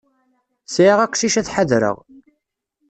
Sɛiɣ aqcic ad t-ḥadreɣ.